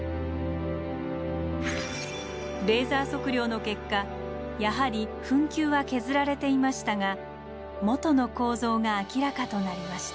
レーザー測量の結果やはり墳丘は削られていましたが元の構造が明らかとなりました。